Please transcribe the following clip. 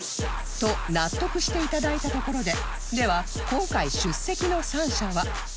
と納得していただいたところででは今回出席の３社は